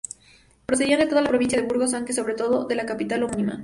Procedían de toda la provincia de Burgos, aunque sobre todo de la capital homónima.